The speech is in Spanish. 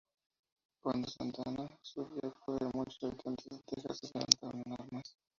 Cuando Santa Anna subió al poder, muchos habitantes de Texas se levantaron en armas.